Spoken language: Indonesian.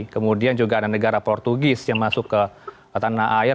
kemudian juga ada negara portugis yang masuk ke tanah air